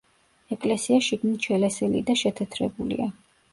ეკლესია შიგნით შელესილი და შეთეთრებულია.